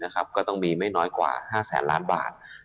ก็ต้องมีไม่น้อยกว่า๕แสนล้านบาท